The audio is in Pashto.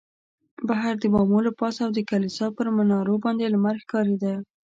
بهر د بامو له پاسه او د کلیسا پر منارو باندې لمر ښکارېده.